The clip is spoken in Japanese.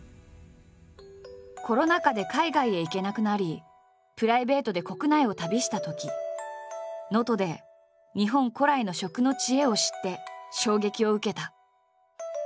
コロナ禍で海外へ行けなくなりプライベートで国内を旅したとき能登で日本古来の食の知恵を知って衝撃を受けた。